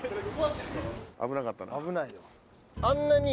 危なかったな。